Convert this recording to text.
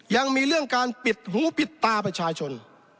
ยังมีเรื่องการปิดหูปิดตาประชาชน